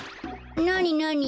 なになに？